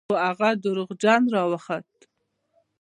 خو هغه دروغجن راوخوت.